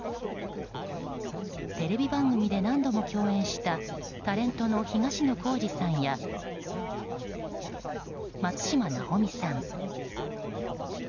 テレビ番組で何度も共演したタレントの東野幸治さんや松嶋尚美さん